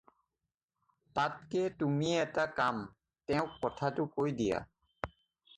তাতকে তুমি এটা কাম, তেওঁক কথাটো কৈ দিয়া।